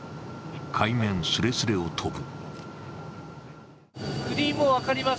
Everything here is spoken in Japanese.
海面すれすれを飛ぶ。